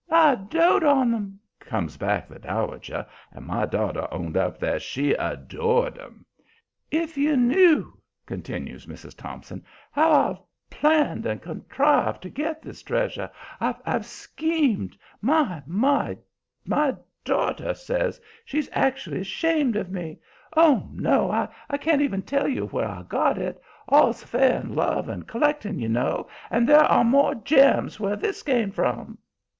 "I dote on 'em," comes back the Dowager, and "my daughter" owned up that she "adored" 'em. "If you knew," continues Mrs. Thompson, "how I've planned and contrived to get this treasure. I've schemed My! my! My daughter says she's actually ashamed of me. Oh, no! I can't tell even you where I got it. All's fair in love and collecting, you know, and there are more gems where this came from."